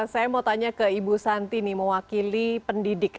saya mau tanya ke ibu santi nih mewakili pendidik